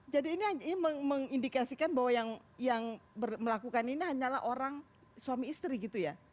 jadi ini mengindikasikan bahwa yang melakukan ini hanyalah orang suami istri gitu ya